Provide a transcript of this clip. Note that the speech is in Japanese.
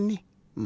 うん。